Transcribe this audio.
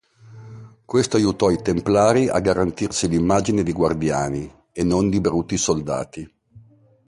Questo aiutò i Templari a garantirsi l'immagine di guardiani, e non di bruti soldati.